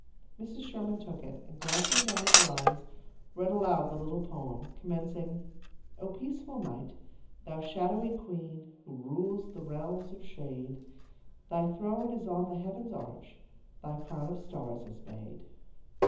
Mrs. Sherman took it, and, glancing down the lines, read aloud the little poem, commencing: "Oh, peaceful Night, thou shadowy Queen Who rules the realms of shade, Thy throne is on the heaven's arch, Thy crown of stars is made."